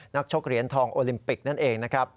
ชกเหรียญทองโอลิมปิกนั่นเองนะครับ